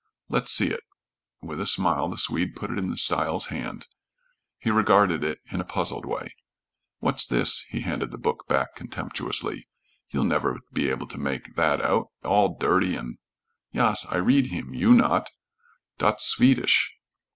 "Let's see it." With a smile the Swede put it in Stiles' hand. He regarded it in a puzzled way. "What's this?" He handed the book back contemptuously. "You'll never be able to make that out, all dirty and " "Yas, I read heem, you not, dot's Swedish."